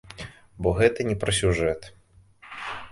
Бо гэта не пра сюжэт.